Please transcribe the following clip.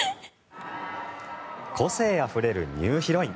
個性あふれるニューヒロイン。